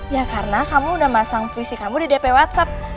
ya karena kamu udah masang puisi kamu di dpw whatsapp